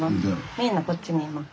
みんなこっちにいます。